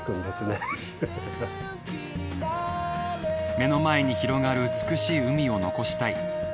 目の前に広がる美しい海を残したい。